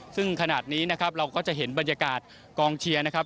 ซึ่งขนาดนี้นะครับเราก็จะเห็นบรรยากาศกองเชียร์นะครับ